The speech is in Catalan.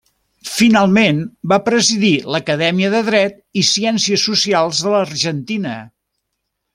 Finalment va presidir l'Acadèmia de Dret i Ciències Socials de l'Argentina.